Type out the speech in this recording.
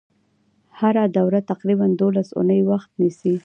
هره دوره تقریبا دولس اونۍ وخت نیسي.